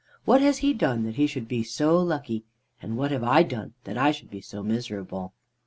What has he done that he should be so lucky, and what have I done that I should be so miserable?"